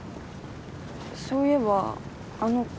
そういえばあの子。